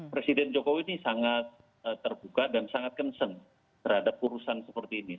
presiden jokowi ini sangat terbuka dan sangat concern terhadap urusan seperti ini